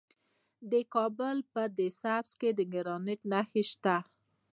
د کابل په ده سبز کې د ګرانیټ نښې شته.